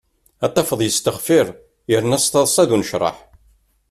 Ad tafeḍ yesteɣfir yerna s taḍsa d unecraḥ.